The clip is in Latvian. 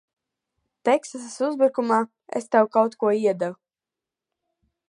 Teksasas uzbrukumā es tev kaut ko iedevu.